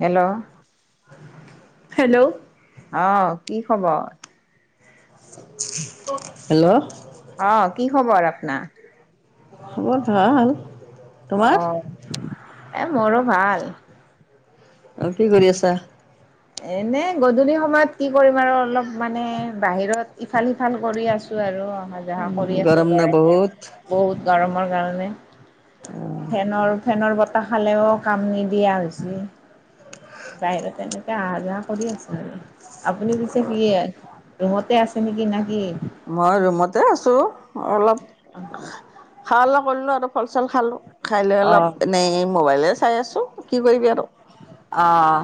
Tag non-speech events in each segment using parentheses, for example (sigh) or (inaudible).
Hello? Hello! অ'! কি খবৰ? হেল্ল'? অ' কি খবৰ আপোনাৰ? খবৰ ভাল। তোমাৰ অ'! এ, মোৰো ভাল। অ'! কি কৰি আছা? এনে গধূলি সময়ত কি কৰিম আৰু অলপ মানে, বাহিৰত ইফাল সিফাল কৰি আছোঁ। আৰু অ'! অহা যোৱা কৰি আছোঁ গৰম না গৰমত। বহুত বহুত গৰমৰ কাৰণে। ফেনৰ ফেনৰ বতাহ খালেওঁ কাম নিদিয়া হৈছে। বাহিৰত তেনেকৈ তেওঁ অহা যোৱা কৰি আছে আৰু। আপুনি পিছে, কি, ৰুমতে আছে নেকি? না কি? মই ৰুমতে আছোঁ। অলপ খোৱা লোযৱা কৰিলোঁ আৰু ফল চল খালোঁ। খাই লৈ অ' অলপ এনেই মোবাইলে চাই আছোঁ। কি কৰিবি আৰু। অঁ!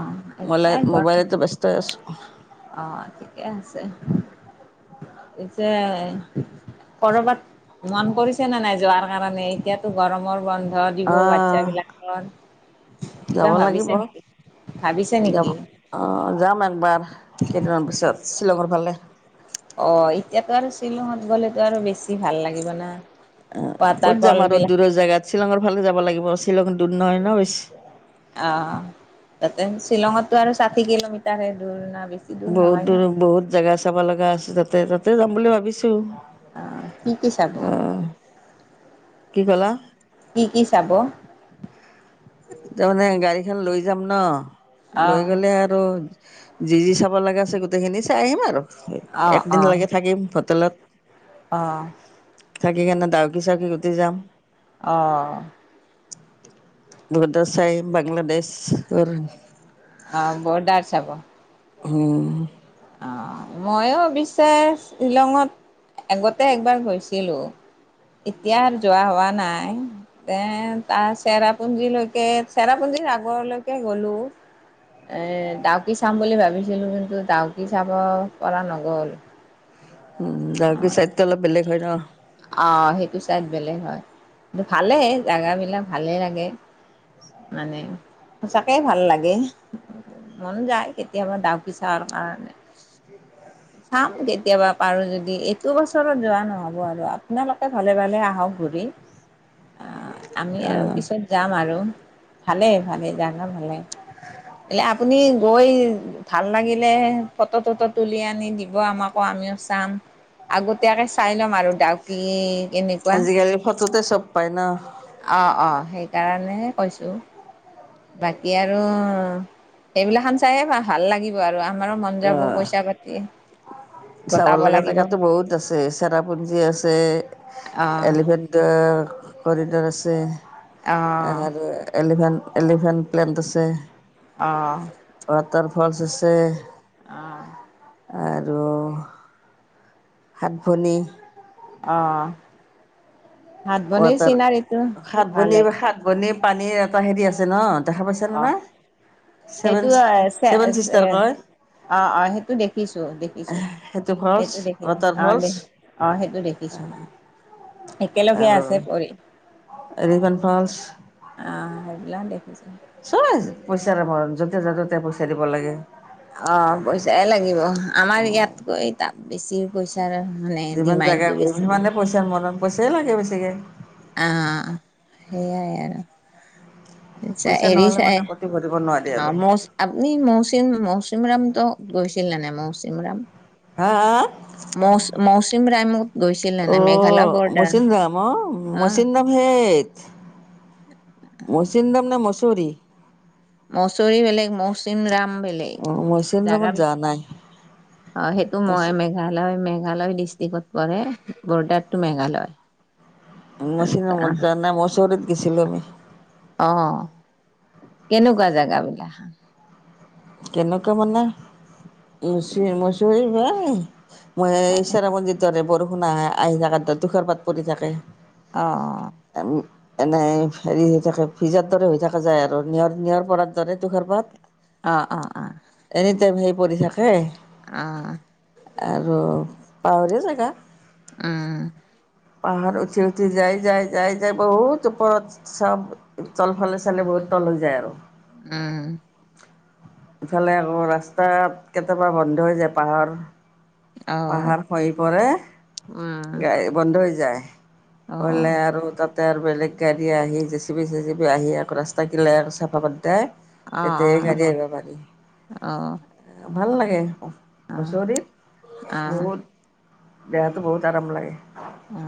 মলে মোবাইলতে ব্যস্ত হৈ আছোঁ (unintelligible) অ'! ঠিকে আছে। (unintelligible) এতিয়া কৰবাত মন পৰিছে নে নাই যোৱাৰ কাৰণে? এতিয়াতো গৰমৰ বন্ধ। দিব অ'! বাচ্ছাবিলাকৰ কিবা যাব লাগিব। ভাবিছে নেকি ভাবিছে যাব, নেকি অ'! যাম একবাৰ। কেইদিনমান পিছত শ্বিলঙৰ ফালে। অ'! এতিয়াতো আৰু শ্বিলঙত গ'লেতো আৰু বেছি ভাল লাগিব না। অ'! ৱাটাৰ ক'ত ফল যাম আৰু বিলাক দূৰৰ জেগাত, শ্বিলঙৰ ফালে যাব লাগিব। শ্বিলং দূৰ নহয় ন' বেছি। অ'! তাতে, শ্বিলঙতটো আৰু ষাঠি কিলোমিটাৰ হে দূৰ ন'? বেছি বহুত নহয় দূৰ, বহুত জেগা চাব লগা আছে। তাতে, তাতে যাম বুলি ভাবিছোঁ। অ কি কি চাব? অ কি ক'লা? কি কি চাব অ তাৰমানে, গাড়ীখন লৈ যাম ন', লৈ গলে আৰু যি, যি চাব লগা আছে, গোটেইখিনি চাই আহিম আৰু। অ অ একদিন লৈকে থাকিম। হোটেলত। অ'! থাকি কেনে, (unintelligible) অ'! বহুত (unintelligible) বাংলাদেশ। অ'! বৰদাৰ চাব? উম! অ'! মইয়ো অৱশ্যে শ্বিলঙত আগতে একবাৰ গৈছিলোঁ। এতিয়া যোৱা হোৱা নাই। এ, তাৰ চেৰাপুঞ্জী লৈকে, চেৰাপুঞ্জী আগৰলৈকে গলোঁ। এ, ডাউকি চাম বুলি ভাবিছিলোঁ। কিন্তু, ডাউ কি চাব পৰা নগ'ল। ডাউকি চাইডটো অলপ বেলেগ হয় ন অ'! সেইটো চাইড বেলেগ হয়। ভালেই জাগা বিলাক, ভালে লাগে। মানে সঁচাকে ভাল লাগে। মন যায় কেতিয়াবা দাউকি চাৰ কাৰণে চাম কেতিয়াবা। পাৰোঁ যদি এইটো বছৰত যোৱা নহ'ব আৰু আপোনালোকে ভালে -ভালে আহক ঘূৰি। আহ (unintelligible) আমি আৰু পিছত যাম আৰু ভালে- ভালে যাক। ভালে এ' আপুনি গৈ ভাল লাগিলে ফটো -তটো তুলি আনি দিব আমাকো আমিও চাম। আগতীয়াকে চাই ল'ম আৰু ডাউকী কেনেকুৱা। ফটতে চব পায় নহ? অ', -অ', সেইকাৰণেহে কৈছোঁ। বাকী আৰু এইবিলাক খান চাইয়ে বা ভাল লাগিব আৰু। আমাৰো মন যাব অ পইচা পাতি (unintelligible) চাব গটাব লগা লাগিব জেগাতো বহুত আছে চেৰাপুঞ্জী আছে অ এলিফেণ্ট কৰিডৰ আছে অ আৰু এলিভেন -এলিভেণ্ট প্লেণ্ট আছে। অ', ৱাতাৰফলচ আছে অহ ', আৰু সাত - ভনী অহ ৱাটাৰ সাত ভনী- সাত ভনী পানীৰ এটা হেৰি আছে ন'? দেখা পাইছা নে অ', নাই চেভেন চিষ্টাৰ কয় অহ - অহ সেইটো দেখিছো -দেখিছো ফলছ সেইটো দেখিছো ৱাটাৰ অহ ফলছ দে অহ সেইটো দেখিছো। (inaudible) একেলগে আৰু আছে পৰি এলিফেণ্ট ফলছ আহ সেইবিলাক দেখিছো। চব পইচা ৰবা জতে- ততে পইচা দিব লাগে। অহ, পইচাই লাগিব আমাৰ ইয়াতকৈ তাত বেছি পইচাৰ মানে যিমান জেগা ডিমাণ্ডটো বেছি সিমানে পইচা মৰম পইচাই লাগে বেছিকে। আ, সেইয়াই আৰু। আচছা পইচা এৰি নহ'লে চাই মানে ক'তো ঘূৰিব নোৱাৰি আৰু অ' মৌচ আপনি মৌচিম- মৌচিম ৰাম ত গৈছিল নে নাই মৌচিমৰাম? হা - হা মৌচ- মৌচিমৰামত? অহ'মচিন ৰাম অহ অ মচিনৰাম সেইত মৌচিমৰাম নে মছৰি? মচৰি বেলেগ মৌচিম ৰাম বেলেগ অ' মৌচিনৰামত জাগা যোৱা নাই অ', সেইটো মই মেঘালয় মে মেঘালয় ডিষ্ট্ৰিক্টত পৰে বৰ্ডাৰ টু মেঘালয়। মচিন ৰামত যা নাই মচৰিত গেছিলো আমি। অ কেনেকুৱা জাগাবিলাখান? কেনেকুৱা মানে মচুৰি (unintelligible) মই অ চেৰাপুঞ্জিত যাওঁতে বৰষুণ আহা আহি থাকোঁতে তুখাৰপাত পৰি থাকে। অ', - অ', এনেই হেৰি হৈ থাকে ভিজাৰ দৰে হৈ থাকে যায় আৰু নিয়ৰ -নিয়ৰ পৰাৰ দৰে তোখাৰ পাত। অ', - অ', - অ', পৰি থাকে। আ আৰু পাহাৰিয়া জেগা উম পাহাৰ উঠি -উঠি, যাই -যাই -যাই -যাই বহুত ওপৰত চব তলফালে চালে বহুত তল হৈ যায় আৰু উম ইফালে আকৌ ৰাস্তাত কেতিয়াবা বন্ধ হৈ যায় পাহাৰ অ পাহাৰ খহি পৰে উম গা়ড়ী বন্ধ হৈ যায়। অ অ পলে আৰু তাত আৰু বেলেগ গাড়ী আহি জেচিপি চেচপি আহি আকৌ ৰাস্তা কিলাই আকৌ চাফা কৰোঁতেই অ অ তেতিয়াই গাড়ী আহিব পাৰি অ অ অ ভাল লাগে। হচৰিত বহুত দেহাটো বহুত আৰাম লাগে। অ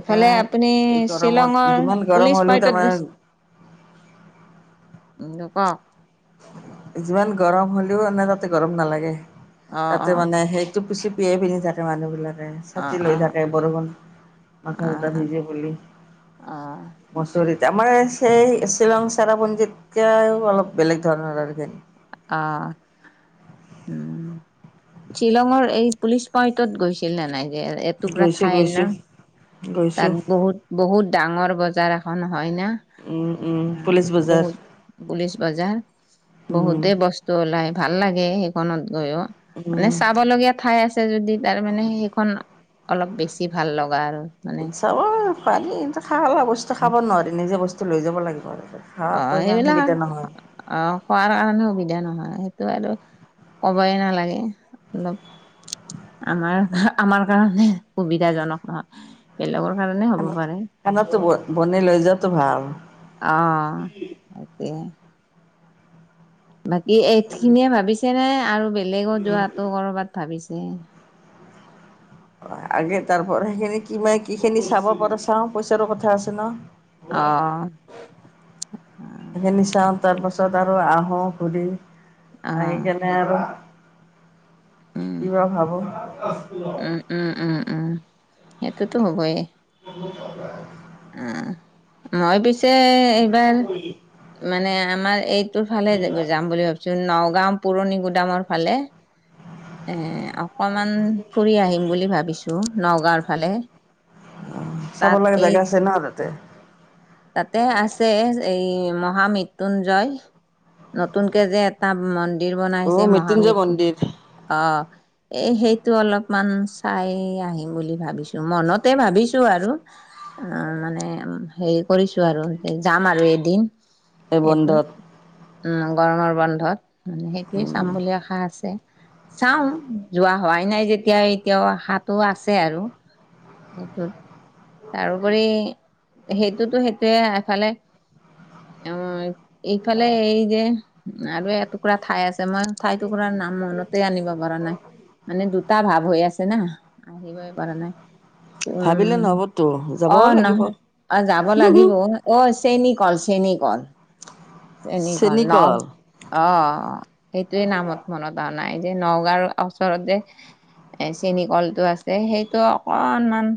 এইফালে তাত আপুনি এই গৰমত শ্বিলঙৰ যিমান গৰম পুলিচ হ'লেও পইণ্টত তাৰমানে গৈছে। (unintelligible) উম নকওঁ যিমান গৰম হ'লেও আমাৰ তাতে গৰম নালাগে অ', তাতে অ', মানে সেই পুচি পিয়াইি ততে মানুহবিলাক। ছাকি অ', লৈ অ', থাকে বৰষুণ মাথা চথা অ', অ', ভিজি বুলি অ', মছৰি আমাৰ সেই শ্বিলং চেৰাপঞ্জীতকও অলপ বেলেগ ধৰণৰ আৰু অঁ উম শ্বিলঙৰ এই পুলিচ পইন্টত গৈছিল নে নাই যে এটুকুৰা গৈছোঁ ঠাই না গৈছোঁ তাত গৈছোঁ বহুত বহুত ডাঙৰ বজাৰ এখন হয় ন উম উম পুলিচ বজাৰ বহুত পুলিচ বজাৰ উম বহুতে বস্তু ওলাই ভাল লাগে সেইখনত গৈও মানে উম চাব লগগীয়া ঠাই আছে যদি তাৰ মানে সেইখন অলপ বেছি ভাল লগা আৰু মানে উৎসাব খোৱালী খা বস্তু খাব নোৱাৰি নিজে বস্তু লৈ যাব লাগিব। অ খোৱাটো ইমান সেইবিলাক সুবিধা নহয় অ খোৱাৰ কাৰণে সুবিধা নহয়েই। টো আৰু ক'বই নালাগে অলপ আমাৰ আমাৰ কাৰণে সুবিধাজনক নহয় বেলেগৰ কাৰণে হ'ব খানাত পাৰে খানাতো ব বনাই লৈ যোৱাতটো ভাল। অ সয়া। বাকী এই খিনিয়ে ভাবিছে নাই আৰু বেলেগত যোৱাতটো কৰবাত ভাবিছে। আগে তাৰ পৰা সেইখিনি কি কি খিনি চাব পাৰ চাও পইচাৰো কথা আছে ন। আহ অঁ সেইখিনি চাওঁ তাৰপাছত আৰু আহোঁ ঘূৰি অ আহি কেনে আৰু উম কিবা ভাবোঁ। সেইঁটোতো হ'বেই উম। অ মই পিছে এইবাৰ মানে আমাৰ এইটোৰ ফালে যাম বুলি ভাবিছো নগাও পুৰণি গোদামৰ ফালে এ অকমান ফুৰি আহিম বুলি ভাবিছো নগাঁওৰ ফালে উ চাব তাত লগা এই জেগা আছে ন তাতে তাতে আছে। এই মহামৃত্য়ুঞ্জয় নতুনকে যে এটা ম মন্দিৰ অ বনাইছে মৃত্যুঞ্জয় মহামৃতু মন্দিৰ অঁ এই সেইটো অলপমান চাই আহিম বুলি ভাবিছোঁ মনতে ভাবিছোঁ আৰু অ মানে হেৰি কৰিছো আৰু যাম আৰু এদিন এই এইটো বন্ধত উ গৰমৰ বন্ধত মানে সেইটোৱে চাম বুলি আশা আছে। চাওঁ যোৱা হোৱাই নাই যেতিয়া এতিয়াও আশাটো আছে আৰু এইটো তাৰোপৰি সেইটোতো সেইটোৱে এফালে অ এইফালে এই যে আৰু এটুকুৰা ঠাই আছে মই ঠাই টুকুৰা নাম মনত তে আনিবই পৰা নাই মানে দুটা ভাৱ হৈ আছে না আহিবই পৰা নাই। ভাবিলে উম। নহ'বতো অ যাবও লাগিব। নহয় অ যাব লাগিব অ চেনী কল চেনী কল। চেনি কল ন চেনীকল অ সেইটোৱে নামত মনত আহা নাই যে নগাঁওৰ ওচৰত যে এ চেনী কলটো আছে সেইটো অকনমান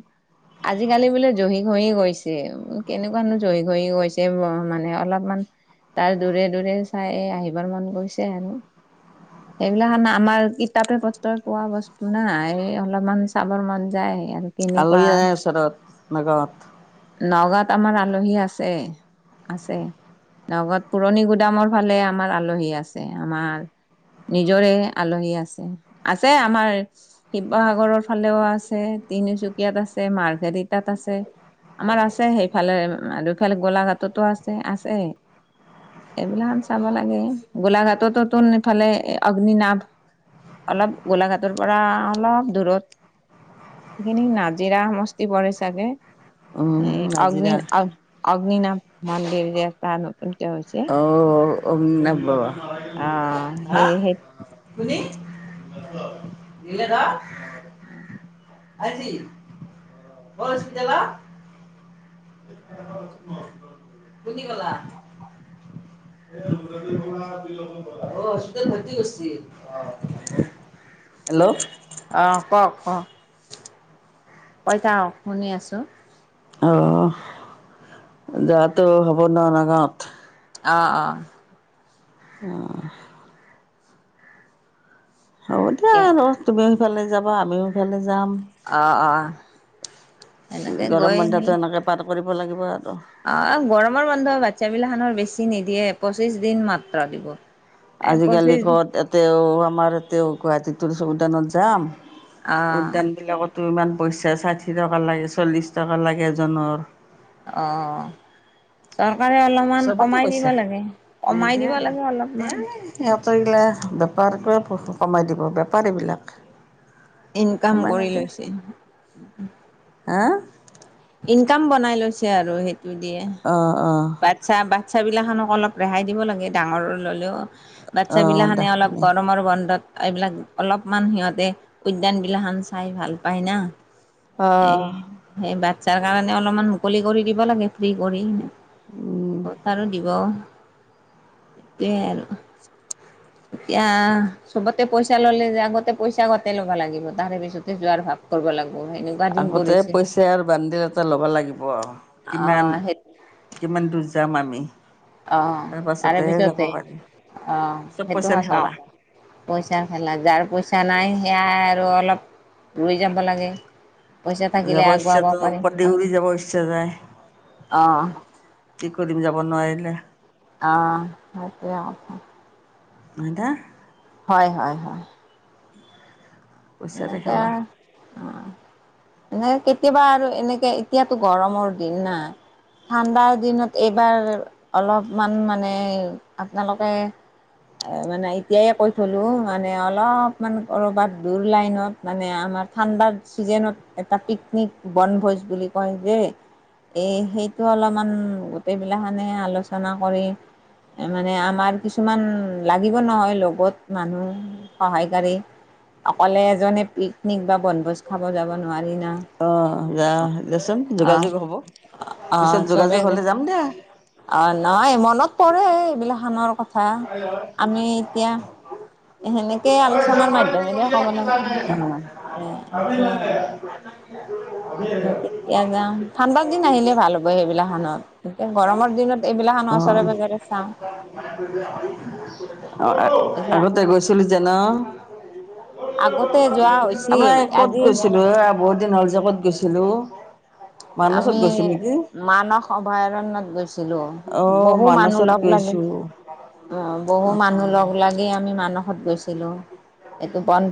আজিকালি বোলে জহি ঘহি গৈছে কেনেকুৱানো জহি খহি গৈছে মানে অলপমান তাৰ দূৰে দূৰে চাই আহিবৰ মন গৈছে আৰু। সেইবিলাকে আমাৰ কিতাপে পত্ৰ পোৱা বস্তু না এই অলপমান চাবৰ মন যায়। আৰু কেনেকুৱা আলহী আহ ওচৰত নগাঁৱত। নগাঁৱত আমাৰ আলহী আছে আছে। লগত পুৰণি গুদামৰ ফালে আমাৰ আলহী আছে আমাৰ নিজৰে আলহী আছে আছে আমাৰ শিৱসাগৰৰ ফালেও আছে তিনিচুকীয়াত আছে মাৰ্ঘেৰিটাত আছে। আমাৰ আছে সেইফালে আৰু এইফালে গোলাঘাটতো আছে আছে। এইবিলাকান চাব লাগে গোলাঘাটতোতোন ইফালে অগ্নি নাভ অলপ গোলাঘাটৰ পৰা অলপ দূৰত সেখিনি নাজৰা সমস্তি পৰে চাগে এ উম অগ্নি নাজিৰা অগ্নিনাভ মন্দিৰ যে এটা নতুনকে হৈছে অগ্নীনাভ বাবা। অ সে হে কুনি নিল দ আজি অ হচপিতালত কুনি কলাক হচপিতাল ভত্তি কৰছি হেল্ল' অহ কওক কওক কৈ থাকক অ শুনি আছো অহ য'তো হ'ব ন নগাঁৱত অ‌ অ। উম। হ'ব দিয়া এতিয়া আৰু তুমিও সিফালে যাবা আমিও সিফালে যাম। অ', অ', এনেকে যাম গৰম গৈ আহি বন্ধটো এনেকে পাৰ কৰিব লাগিব। আৰু। অ গৰমৰ বন্ধ বাচ্ছা বিলাখনৰ বেছি নিদিয়ে পঁচিশ দিন মাত্ৰ দিব। এ আজিকালি পঁচিছ ক'ত এতেও আমাৰ এতেও গুৱাহাটীতোৰ চ উদানত যাম অ', উদ্যান বিলাকতো ইমান পইচা ষাঠি টকা লাগে চল্লিছ টকা লাগে এজনৰ। অ চ কাৰে অলপমান চবতে কমাই দিব পইচা লাগে, কমাই দিব লাগে অলপমান এইগিলাক বেপাৰটোৱে কমাই দিব বেপাৰীবিলাক ইনকাম কমাই কৰি নিদিয়ে লৈছে হা? ইনকাম বনাই লৈছে আৰু সেইটো দিয়ে অঁ অঁ বাচ্ছা বাচ্ছা বাচ্ছাবিলাখানক অলপ ৰেহাই দিব লাগে। ডাঙৰৰ ল'লেও অঁ দে বাচ্ছাবিলাখানে অলপ গৰমৰ বন্ধত এইবিলাক অলপমান সিহঁতে উদ্যানবিলাখান চাই ভাল পায় না। এ অঁ সেই বাচ্ছাৰ কাৰণে অলপমান মুকলি কৰি দিব লাগে ফ্ৰী কৰি। ক'ত আৰু দিব সেইটোৱে আৰু এতিয়া চবতে পইচা ললে যে আগতে পইচা আগতে ল'বা লাগিব তাৰে পিছতে যোৱাৰ ভাৱ কৰিব লাগিব। সেনেকুৱা দিন আগতে কৰিছে পইচাৰ বানদিল এটা ল'বা লাগিব আৰু কিমান অ' সেই কিমান দূৰ যাম আমি অ তাৰ তাৰে পাছতেহে যাব পিছতে পাৰি অ চব সেইটো হ পইচাৰ চাওঁ খেলা পইচাৰ খেলা যাৰ পইচা নাই সেয়াই আৰু অলপ ৰৈ যাব লাগে। পইচা থাকিলে যাব ইচ্ছা আগুৱাব পাৰি ওপৰত দি উৰি যাব ইচ্ছা যায়। অ' কি কৰিম যাব নোৱাৰিলে? অ সেইটোৱে আও। আধা হয় হয় হয়। পইচাৰে খেলা মানে কেতিয়াবা আৰু এনেকে এতিয়াতো গৰমৰ দিন না ঠাণ্ডাৰ দিনত এইবাৰ অলপমান মানে আপোনালোকে এ মানে এতিয়াই কৈ থলো মানে অলপমান কৰ'বাত দূৰ লাইনত মানে আমাৰ ঠাণ্ডাৰ ছিজনত এটা পিকনিক বনভোজ বুলি কয় যে এ সেইটো অলপমান গোটেই বিলাখনে আলোচনা কৰি মানে আমাৰ কিছুমান লাগিব নহয় লগত মানুহ সহায়কাৰী অকলে এজনে পিকনিক বা বনভোজ খাব যাব নোৱাৰি না আহ যা দেচোন অ', যোগাযোগ হব। পিছত অ', চবে যোগাযোগ হলে যাম দেই। অ নাই মনত পৰে এইবিলাক খানৰ কথা। (unintelligible) অ আমি এতিয়া সেনেকেই আলোচনাৰ মাধ্যমেৰে ক'ব লাগিব। এ (unintelligible) আপিল সেইটোৱে (unintelligible) আৰু কেতিয়া যাম ঠাণ্ডাৰ দিন আহিলে ভাল হ'ব সেইবিলা খনত এতিয়া গৰমৰ দিনত এইবিলাক ন ওচৰে বজেৰে চাওঁ এতিয়া আগতে গৈছিলো যে ন? আগতে যোৱা হৈছিল আমাৰ ক'ত আজি গৈছিলো এ বহুত দিন হ'ল যে ক'ত গৈছিলো? মানছত আমি গৈছো নেকি মানস অভয়াৰণ্যত গৈছিলো বহু মানুহ লগ লাগি উম অ বহু মানুহ লগ লাগি আমি মানসত গৈছিলো এইটো বন